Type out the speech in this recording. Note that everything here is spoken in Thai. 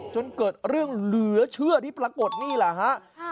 จนเกิดเรื่องเหลือเชื่อที่ปรากฏนี่แหละฮะ